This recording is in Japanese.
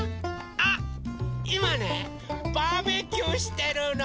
あっいまねバーベキューしてるの！